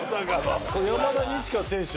山田二千華選手